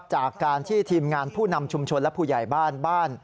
จากการที่ทีมงานผู้นำชุมชนและผู้ใหญ่บ้านบ้าน